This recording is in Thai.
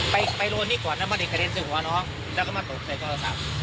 ไปไปโดนนี่ก่อนแล้วมันกระเด็นซึ่งหัวน้องแล้วก็มันหลบในกล้าศัพท์